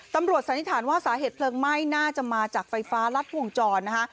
สันนิษฐานว่าสาเหตุเพลิงไหม้น่าจะมาจากไฟฟ้ารัดวงจรนะคะ